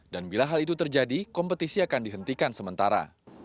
bila hal itu terjadi kompetisi akan dihentikan sementara